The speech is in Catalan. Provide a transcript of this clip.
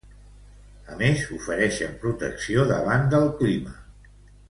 A més, oferixen protecció davant del clima.